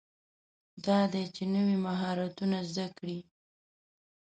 دا دی چې نوي مهارتونه زده کړئ.